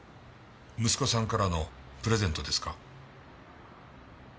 息子さんからのプレゼントですか？